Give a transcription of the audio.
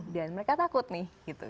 dan mereka takut nih gitu